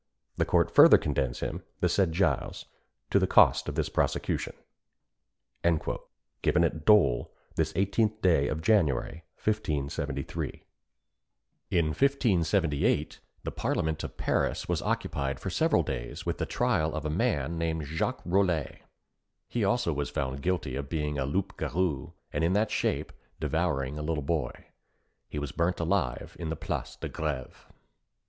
The court further condemns him, the said Gilles, to the costs of this prosecution." "Given at Dôle, this 18th day of January, 1573." In 1578, the parliament of Paris was occupied for several days with the trial of a man named Jacques Rollet. He also was found guilty of being a loup garou, and in that shape devouring a little boy. He was burnt alive in the Place de Grève.